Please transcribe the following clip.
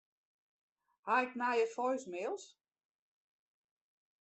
Ha ik nije voicemails?